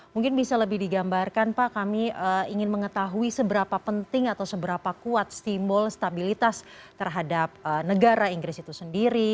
mungkin bisa lebih digambarkan pak kami ingin mengetahui seberapa penting atau seberapa kuat simbol stabilitas terhadap negara inggris itu sendiri